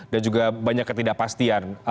dan juga banyak ketidakpastian